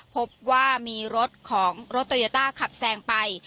พบว่ามีรถของรถโตโยต้าขับแซงไป